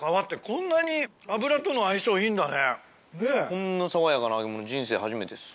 こんな爽やかな人生初めてです。